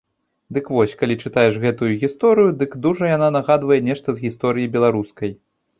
Дык вось, калі чытаеш гэтую гісторыю, дык дужа яна нагадвае нешта з гісторыі беларускай.